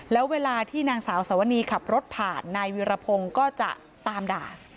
แล้วเวลาที่นางสาวสวนีขับรถผ่านนายวิรพงศ์ก็จะตามด่า